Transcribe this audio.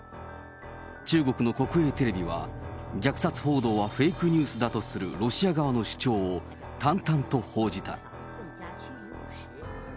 中国の国営テレビは、虐殺報道はフェイクニュースだとするロシア側の主張を淡々と報じた。